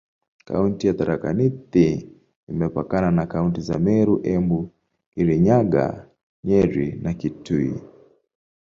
Kaunti ya Tharaka Nithi imepakana na kaunti za Meru, Embu, Kirinyaga, Nyeri na Kitui.